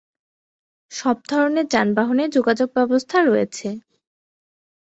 সব ধরনের যানবাহনে যোগাযোগ ব্যবস্থা রয়েছে।